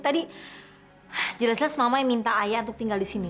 terus mama minta ayah tinggal di sini